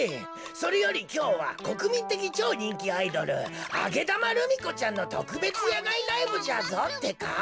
それよりきょうはこくみんてきちょうにんきアイドルあげだまルミ子ちゃんのとくべつやがいライブじゃぞってか。